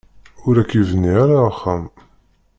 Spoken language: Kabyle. Ur ak-yebni ara axxam.